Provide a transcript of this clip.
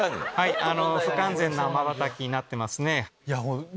不完全なまばたきになってますね。